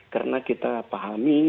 karena kita pahami